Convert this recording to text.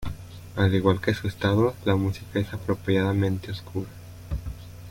Al igual que su estado, la música es apropiadamente oscura.